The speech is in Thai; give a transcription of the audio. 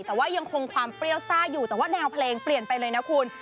แต่ว่ายังคงความเปรี้ยวซ่าอยู่แต่ว่าแนวเพลงเปลี่ยนไปเลยนะคุณ